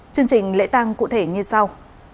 chương trình lễ tăng cụ thể như sau